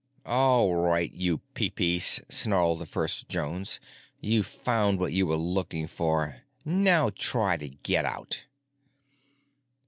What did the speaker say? "All right, you Peepeece!" snarled the first Jones. "You found what you were looking for—now try to get out!"